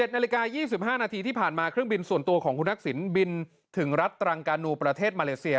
๑นาฬิกา๒๕นาทีที่ผ่านมาเครื่องบินส่วนตัวของคุณทักษิณบินถึงรัฐตรังกานูประเทศมาเลเซีย